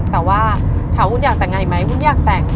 แต่ว่าถามวุ้นอยากแต่งงานอีกไหมวุ้นอยากแต่ง